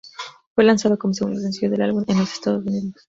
Fue lanzado como segundo sencillo del álbum, el en los Estados Unidos.